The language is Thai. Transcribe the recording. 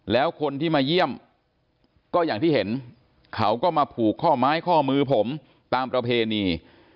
แล้วคนที่มาเยี่ยมก็อย่างที่เห็นเขาก็มาผูกข้อไม้ข้อมือผมตามประเพณี